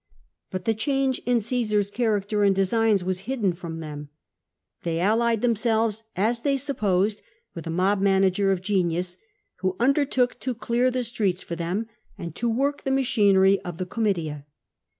But the change in , Caesar's character and designs was hidden from them: they allied themselves, as they supposed, with a mob manager of genius, who undertook to clear the streets for them and to work the machinery of the Comitia.